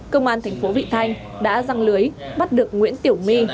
công an thành phố vị thanh đã răng lưới bắt được nguyễn tiểu my